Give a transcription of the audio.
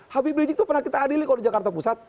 habib rizik itu pernah kita adili kalau di jakarta pusat